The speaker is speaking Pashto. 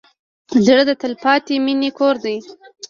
زړه د تلپاتې مینې کور دی.